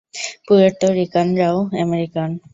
Puerto রিকানরাও American.